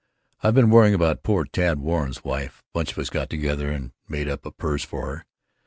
I've been worrying about poor Tad Warren's wife, bunch of us got together and made up a purse for her.